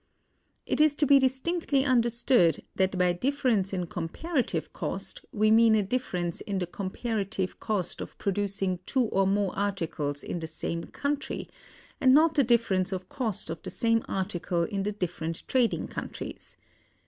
It is to be distinctly understood that by difference in comparative cost we mean a difference in the comparative cost of producing two or more articles in the same country, and not the difference of cost of the same article in the different trading countries.